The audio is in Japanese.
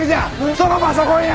そのパソコンや！